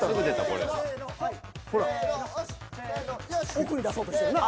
奥に出そうとしてるな。